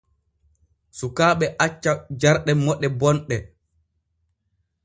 Sukaaɓe acca jarɗe moɗe bonɗe.